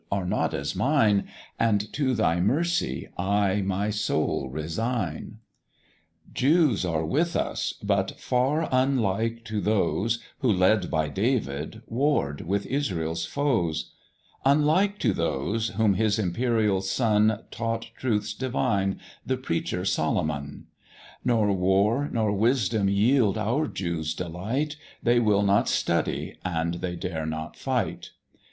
are not as mine, And to thy mercy I my soul resign. Jews are with us, but far unlike to those, Who, led by David, warr'd with Israels foes; Unlike to those whom his imperial son Taught truths divine the Preacher Solomon; Nor war nor wisdom yield our Jews delight; They will not study, and they dare not fight.